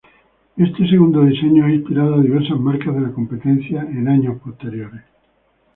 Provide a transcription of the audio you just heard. Este segundo diseño ha inspirado a diversas marcas de la competencia en años posteriores.